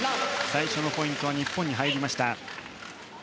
最初のポイントは日本に入りました。